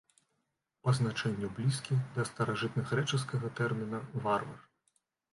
Па значэнню блізкі да старажытнагрэчаскага тэрміна варвар.